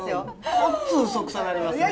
ごっつうそくさなりますね。